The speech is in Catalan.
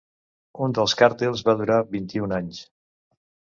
Un dels càrtels va durar vint-i-un anys.